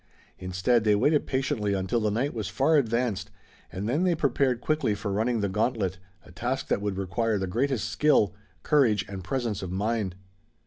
Instead they waited patiently until the night was far advanced and then they prepared quickly for running the gauntlet, a task that would require the greatest skill, courage and presence of mind.